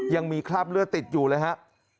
ยังมีคราบเลือดติดอยู่เลยครับ